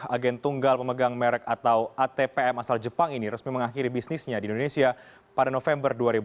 agen tunggal pemegang merek atau atpm asal jepang ini resmi mengakhiri bisnisnya di indonesia pada november dua ribu enam belas